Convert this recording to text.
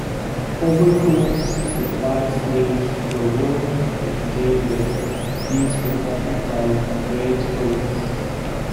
Overcoats with wide sleeves were worn with day wear; these were often called "greatcoats".